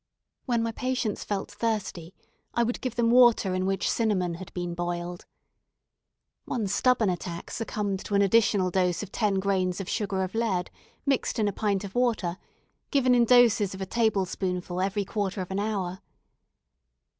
When my patients felt thirsty, I would give them water in which cinnamon had been boiled. One stubborn attack succumbed to an additional dose of ten grains of sugar of lead, mixed in a pint of water, given in doses of a table spoonful every quarter of an hour.